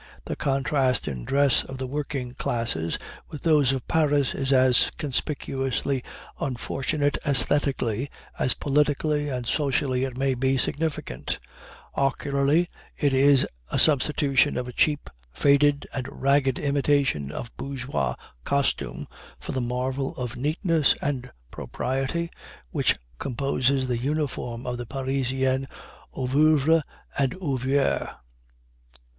The contrast in dress of the working classes with those of Paris is as conspicuously unfortunate æsthetically, as politically and socially it may be significant; ocularly, it is a substitution of a cheap, faded, and ragged imitation of bourgeois costume for the marvel of neatness and propriety which composes the uniform of the Parisian ouvrier and ouvrière.